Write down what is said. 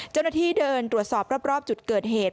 เจ้าหน้าที่เดินตรวจสอบรอบจุดเกิดเหตุ